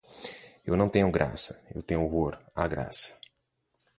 Eu não tenho graça, eu tenho horror à graça.